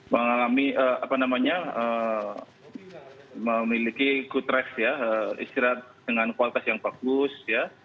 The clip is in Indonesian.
mengalami apa namanya memiliki good ref ya istirahat dengan kualitas yang bagus ya